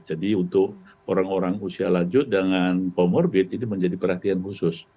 jadi untuk orang orang usia lanjut dengan comorbid ini menjadi perhatian khusus